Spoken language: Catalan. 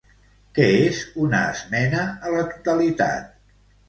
Què és una esmena a la totalitat?